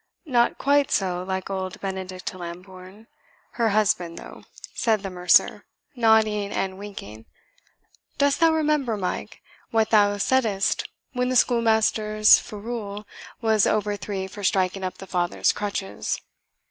"Not quite so like old Benedict Lambourne, her husband, though," said the mercer, nodding and winking. "Dost thou remember, Mike, what thou saidst when the schoolmaster's ferule was over thee for striking up thy father's crutches?